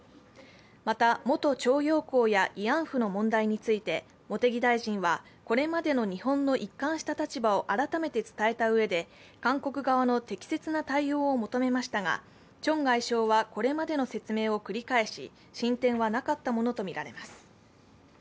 また、元徴用工や慰安婦の問題について茂木大臣はこれまでの日本の一貫した立場を改めて伝えたうえで、韓国側の適切な対応を求めましたがチョン外相はこれまでの説明を繰り返し、進展はなかったものとみられます。